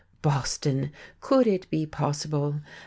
Boston! Could it be possible?